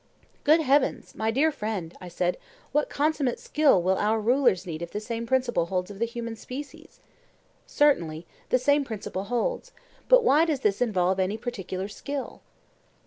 Good heavens! my dear friend, I said, what consummate skill will our rulers need if the same principle holds of the human species! Certainly, the same principle holds; but why does this involve any particular skill?